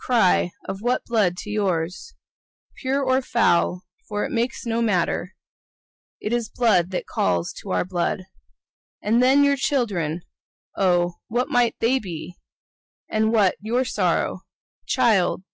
Cry of what blood to yours?— Pure or foul, for it makes no matter, It's blood that calls to our blood. And then your children—oh, what might they be? And what your sorrow? Child!